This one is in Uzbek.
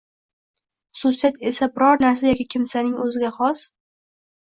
Xususiyat esa biror narsa yoki kimsaning oʻziga xos